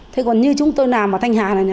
thế còn như chúng tôi làm ở thanh hà này